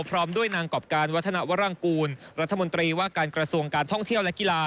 พร้อมด้วยนางกรอบการวัฒนวรังกูลรัฐมนตรีว่าการกระทรวงการท่องเที่ยวและกีฬา